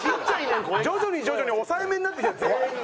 徐々に徐々に抑えめになってきてる全員が。